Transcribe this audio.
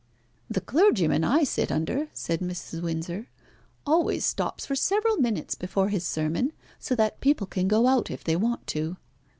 "The clergyman I sit under," said Mrs. Windsor, "always stops for several minutes before his sermon, so that the people can go out if they want to."